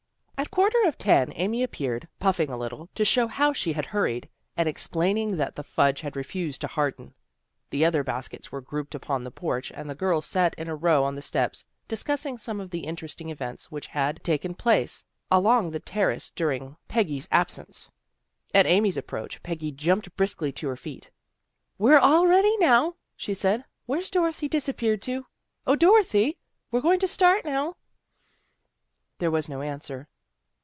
At quarter of ten Amy appeared, puffing a little, to show how she had hurried, and ex plaining that the fudge had refused to harden. The other baskets were grouped upon the porch and the girls sat in a row on the steps, discuss ing some of the interesting events which had taken place along the Terrace during Peggy's absence. At Amy's approach Peggy jumped briskly to her feet. " We're all ready now," she said. " Where's Dorothy disappeared to? 0, Dorothy! We're going to start now." There was no answer.